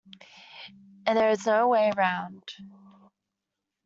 And there is no way round.